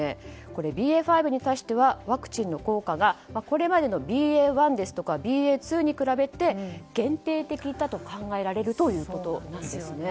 これはＢＡ．５に対してはワクチンの効果がこれまでのＢＡ．１ですとかＢＡ．２に比べて限定的だと考えられるということなんですね。